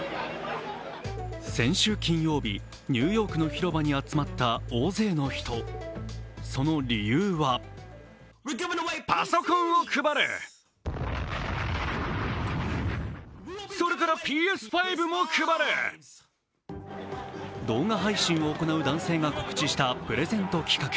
先週金曜日、ニューヨークの広場に集まった大勢の人、その理由は動画配信を行う男性が告知したプレゼント企画。